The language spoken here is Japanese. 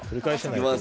いきます！